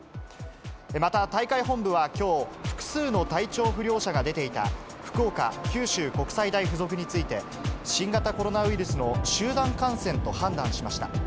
また大会本部はきょう、複数の体調不良者が出ていた、福岡・九州国際大付属について、新型コロナウイルスの集団感染と判断しました。